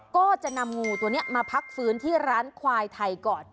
ก็จะนำงูตัวนี้มาพักฟื้นที่ร้านควายไทยก่อน